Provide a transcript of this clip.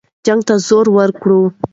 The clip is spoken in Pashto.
جنګ ته زور ورکړه.